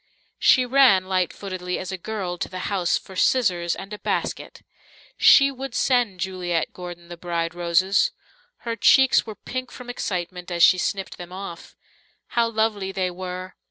She ran, light footedly as a girl, to the house for scissors and a basket. She would send Juliet Gordon the bride roses. Her cheeks were pink from excitement as she snipped them off. How lovely they were!